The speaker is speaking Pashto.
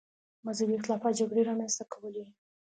مذهبي اختلافات جګړې رامنځته کولې.